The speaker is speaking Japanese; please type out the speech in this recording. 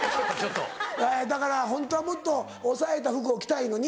だからホントはもっと抑えた服を着たいのに。